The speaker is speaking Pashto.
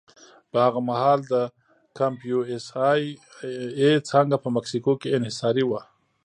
په هغه مهال د کمپ یو اس اې څانګه په مکسیکو کې انحصاري وه.